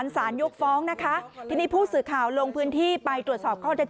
สองสามีภรรยาคู่นี้มีอาชีพ